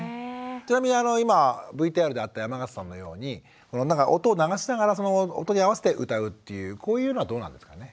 ちなみに今ＶＴＲであった山形さんのように音を流しながらその音に合わせて歌うっていうこういうのはどうなんですかね？